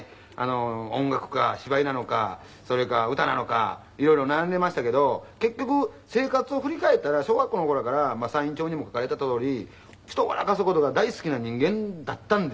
音楽か芝居なのかそれか歌なのかいろいろ悩んでましたけど結局生活を振り返ったら小学校の頃からサイン帳にも書かれたとおり人を笑かす事が大好きな人間だったんですよね。